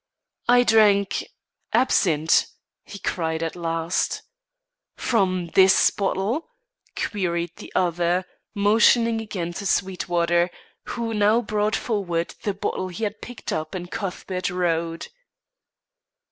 "I drank absinthe," he cried, at last. "From this bottle?" queried the other, motioning again to Sweetwater, who now brought forward the bottle he had picked up in Cuthbert Road.